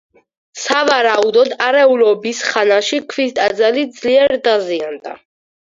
სავარაუდოდ არეულობის ხანაში ქვის ტაძარი ძლიერ დაზიანდა.